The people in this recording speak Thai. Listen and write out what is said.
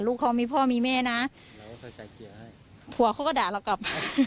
ลูกเขามีพ่อมีแม่นะหัวเขาก็ด่าเรากลับ